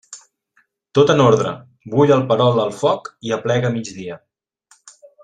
Tot en ordre, bull el perol al foc i aplega migdia.